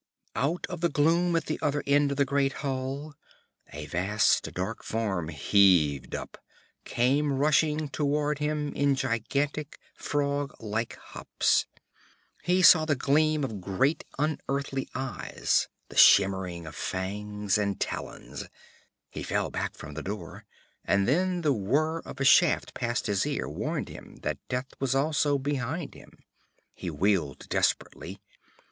Out of the gloom at the other end of the great hall a vast dark form heaved up came rushing toward him in gigantic frog like hops. He saw the gleam of great unearthly eyes, the shimmer of fangs or talons. He fell back from the door, and then the whir of a shaft past his ear warned him that death was also behind him. He wheeled desperately.